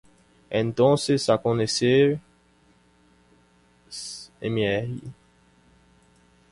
Entonces conoce a Mr.